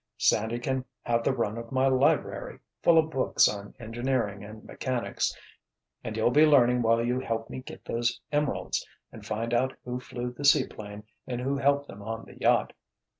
"Sandy can have the run of my library, full of books on engineering and mechanics—and you'll be learning while you help me get those emeralds and find out who flew the seaplane and who helped them on the yacht."